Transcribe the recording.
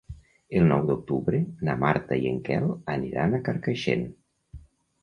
El nou d'octubre na Marta i en Quel aniran a Carcaixent.